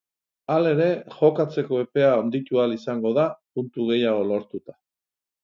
Halere, jokatzeko epea handitu ahal izango da puntu gehiago lortuta.